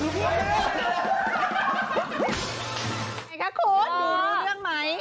ไงคะคุณดูรู้เรื่องไหม